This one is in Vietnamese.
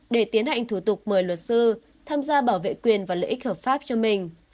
để tiến hành thủ tục mời luật sư tham gia bảo vệ quyền và lợi ích hợp pháp cho mình